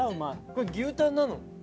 これ牛タンなの？